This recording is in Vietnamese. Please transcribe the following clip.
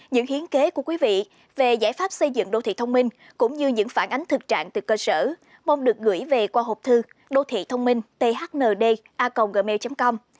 những hiến kế của quý vị về giải pháp xây dựng đô thị thông minh cũng như những phản ánh thực trạng từ cơ sở mong được gửi về qua hộp thư đô thị thông minh thnda gmail com